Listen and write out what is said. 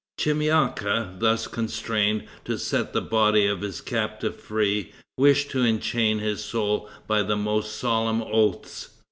Chemyaka, thus constrained to set the body of his captive free, wished to enchain his soul by the most solemn oaths.